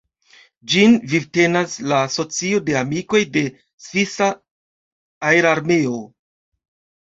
Ĝin vivtenas la Asocio de amikoj de svisa aerarmeo.